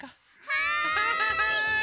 はい。